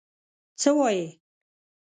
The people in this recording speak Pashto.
څه وایې؟